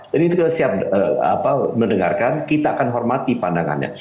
dan itu kita siap mendengarkan kita akan hormati pandangannya